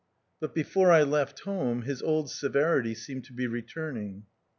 But before I left home, his old severity seemed to be returning.